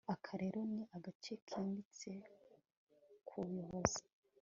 aka rero, ni agace kimbitse k'ubuyobozi